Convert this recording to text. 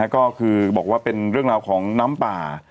ก็คือบอกว่าเป็นเรื่องราวของน้ำป่า